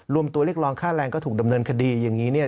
รวมตัวเรียกรองค่าแรงก็ถูกดำเนินคดีอย่างนี้เนี่ย